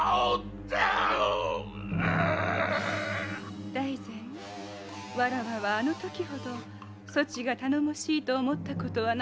〕大膳わらわはあのときほどそちが頼もしいと思ったことはなかったぞえ。